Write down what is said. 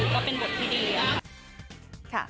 คือก็ดีมากเพราะว่าคือก็เป็นบทที่ดี